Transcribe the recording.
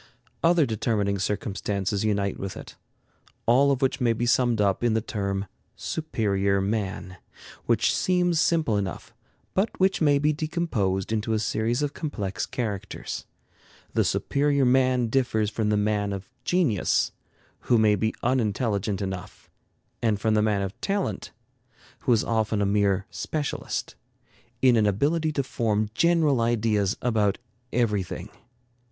Other determining circumstances unite with it, all of which may be summed up in the term "superior man," which seems simple enough, but which may be decomposed into a series of complex characters. The superior man differs from the man of genius, who may be unintelligent enough, and from the man of talent, who is often a mere specialist, in an ability to form general ideas about everything.